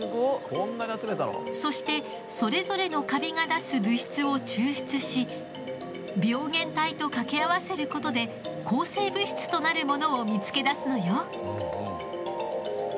そしてそれぞれのカビが出す物質を抽出し病原体と掛け合わせることで抗生物質となるものを見つけ出すのよ。